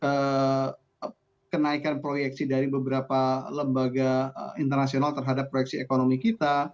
ada kenaikan proyeksi dari beberapa lembaga internasional terhadap proyeksi ekonomi kita